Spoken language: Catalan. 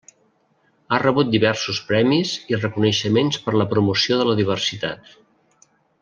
Ha rebut diversos premis i reconeixements per la promoció de la diversitat.